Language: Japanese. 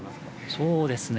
そうですね。